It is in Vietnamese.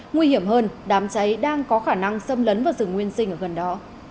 nguy hiểm hơn đám cháy đang có khả năng xâm lấn vào rừng nguyên sinh ở gần đó